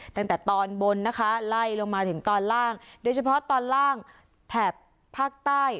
ตั้งแต่ตอนบนนะคะไล่ลงมาถึงตอนล่างโดยเฉพาะตอนล่างแถบภาคใต้